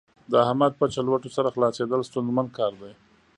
د احمد په چلوټو سر خلاصېدل ستونزمن کار دی.